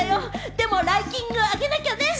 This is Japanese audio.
でも、ランキングを上げなきゃね。